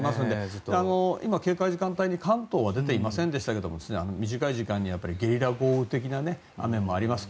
関東は警戒の時間帯はありませんでしたが短い時間にゲリラ豪雨的な雨もあります。